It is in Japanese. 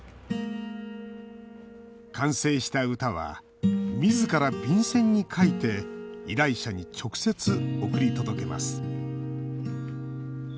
完成した歌はみずから便箋に書いて依頼者に直接送り届けます。